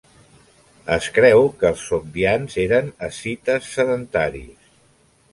Es creu que els sogdians eren escites sedentaris.